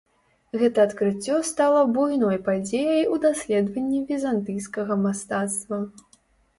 Гэта адкрыццё стала буйной падзеяй у даследаванні візантыйскага мастацтва.